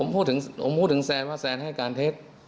ผมพูดถึงแซนลูกวาง์ได้การเทส